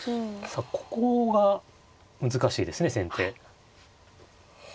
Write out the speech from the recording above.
さあここが難しいですね先手。